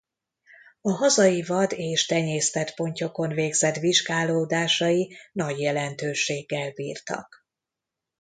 A hazai vad- és tenyésztett pontyokon végzett vizsgálódásai nagy jelentőséggel bírtak.